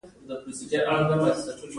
دا اصول د سولې او نظم د ساتلو لپاره وو.